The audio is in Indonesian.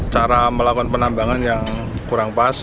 cara melakukan penambangan yang kurang pas